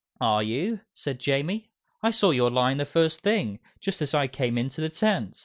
"Are you?" said Jamie. "I saw your lion the first thing just as I came into the tent.